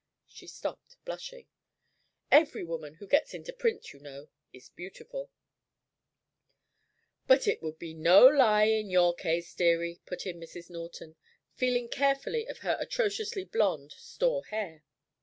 She stopped, blushing. "Every woman who gets into print, you know, is beautiful." "But it'd be no lie in your case, dearie," put in Mrs. Norton, feeling carefully of her atrociously blond store hair.